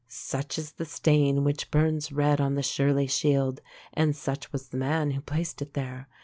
Such is the stain which burns red on the Shirley shield, and such was the man who placed it there.